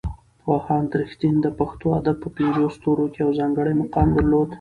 پوهاند رښتین د پښتو ادب په پنځو ستورو کې یو ځانګړی مقام درلود.